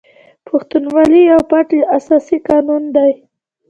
پښتونولي یو پټ اساسي قانون دی.